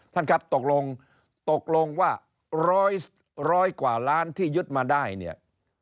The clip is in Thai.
ท่านครับตกลงว่า๑๐๐กว่าล้านที่ยุทธ์มาได้เนี่ย